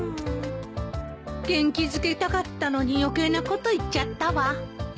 元気づけたかったのに余計なこと言っちゃったわ。